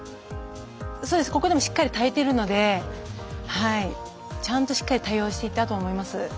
ここでもしっかり耐えているのでちゃんとしっかり対応していたと思います。